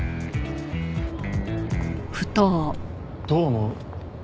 どう思う？